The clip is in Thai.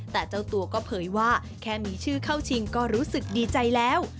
แต่เจ้าตัวก็เผยว่าแค่มีชื่อเข้าชิงก็รู้สึกดีใจแล้ว